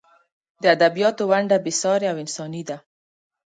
د ادبیاتو ونډه بې سارې او انساني ده.